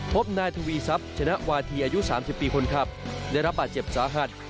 พบนายทวีทรัพย์ชนะวาธีอายุ๓๐ปีคนขับได้รับบาดเจ็บสาหัส